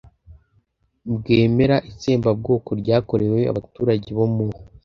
bwemera itsembabwoko ryakorewe abaturage bo mu